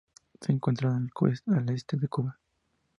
Se encuentra al este de Cuba.